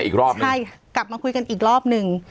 กลับมาคุยกันอีกรอบนึง